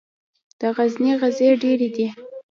د غزني غزې ډیرې دي